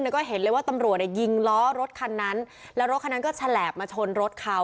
ก็เห็นเลยว่าตำรวจเนี่ยยิงล้อรถคันนั้นแล้วรถคันนั้นก็ฉลาบมาชนรถเขา